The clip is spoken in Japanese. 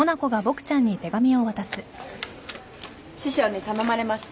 師匠に頼まれました。